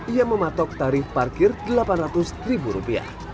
ia mematok tarif parkir rp delapan ratus